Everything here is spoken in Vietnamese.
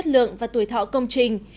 lượng và tuổi thọ công trình